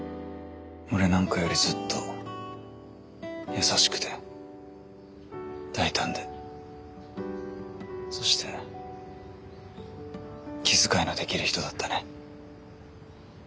俺なんかよりずっと優しくて大胆でそして気遣いのできる人だったね。